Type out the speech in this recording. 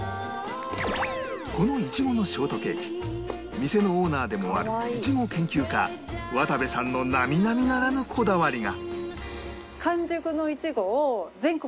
この苺のショートケーキ店のオーナーでもあるイチゴ研究家渡部さんの並々ならぬこだわりが